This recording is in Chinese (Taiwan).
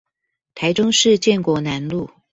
台中市建國南路